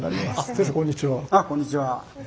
先生こんにちは。